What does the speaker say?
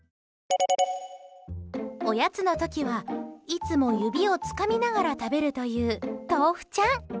おやつの時は、いつも指をつかみながら食べるというとうふちゃん。